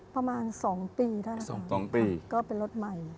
ประมาณ๒ปีแล้วนะคะก็เป็นรถใหม่ค่ะ๒ปี